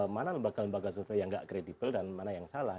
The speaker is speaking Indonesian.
mana lembaga lembaga survei yang tidak kredibel dan mana yang salah